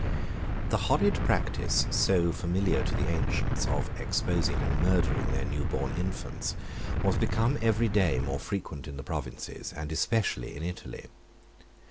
1. The horrid practice, so familiar to the ancients, of exposing or murdering their new born infants, was become every day more frequent in the provinces, and especially in Italy.